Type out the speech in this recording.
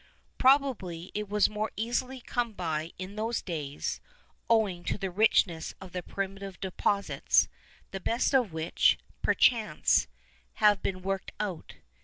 Probably it was more easily come by in those days, owing to the richness of the primitive deposits, the best of which, perchance, have been worked out.